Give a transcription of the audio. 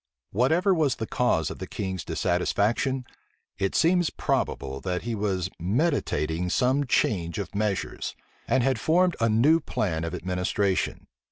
Whatever was the cause of the king's dissatisfaction, it seems probable that he was meditating some change of measures, and had formed a new plan of administration.